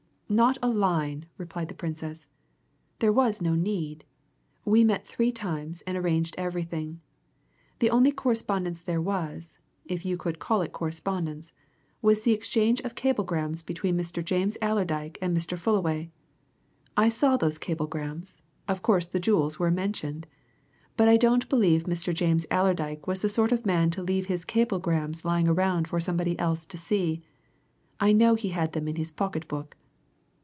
"Not a line!" replied the Princess. "There was no need. We met three times and arranged everything. The only correspondence there was if you could call it correspondence was the exchange of cablegrams between Mr. James Allerdyke and Mr. Fullaway. I saw those cablegrams of course the jewels were mentioned. But I don't believe Mr. James Allerdyke was the sort of man to leave his cablegrams lying around for somebody else to see. I know he had them in his pocket book.